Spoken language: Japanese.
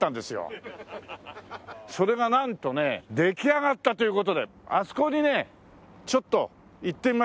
それがなんとね出来上がったという事であそこにねちょっと行ってみましょう。